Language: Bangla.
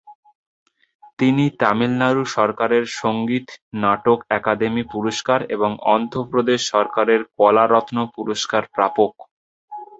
তিনি তামিলনাড়ু সরকারের সংগীত নাটক অকাদেমি পুরস্কার এবং অন্ধ্র প্রদেশ সরকারের কলা রত্ন পুরস্কার প্রাপক।